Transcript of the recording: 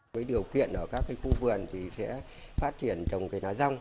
với điều kiện ở các khu vườn thì sẽ phát triển trồng lá rong